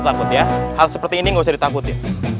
takut ya hal seperti ini nggak usah ditakuti